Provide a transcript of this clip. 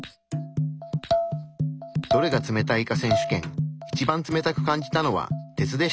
「どれが冷たいか選手権」一番冷たく感じたのは鉄でした。